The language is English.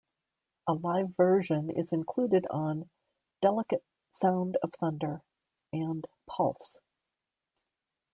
A live version is included on "Delicate Sound of Thunder" and "Pulse".